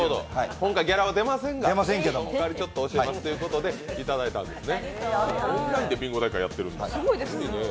今回ギャラは出ませんが、教えますということで教えていただいたんですね。